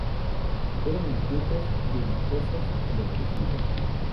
Eran inquietos, belicosos y agresivos.